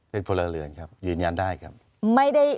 เป็นพลเรือนครับยืนยันได้ครับ